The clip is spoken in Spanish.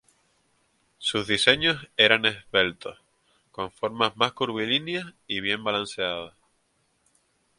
Sus diseños eran esbeltos, con formas mas curvilíneas y bien balanceados.